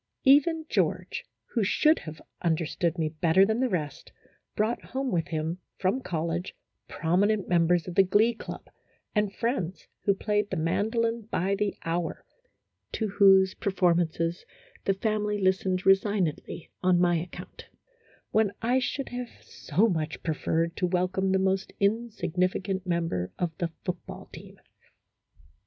Even George, who should have understood me better than the rest, brought home with him from college prominent members of the glee club, and friends who played the mandolin by the hour, to whose performances the family listened resignedly on my account, when I should have so much pre ferred to welcome the most insignificant member of the football team.